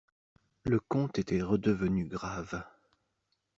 Le comte était redevenu grave.